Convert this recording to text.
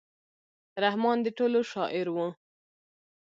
رحمان د ټولو شاعر و.